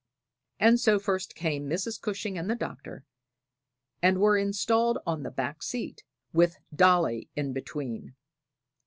And so first came Mrs. Cushing and the Doctor, and were installed on the back seat, with Dolly in between.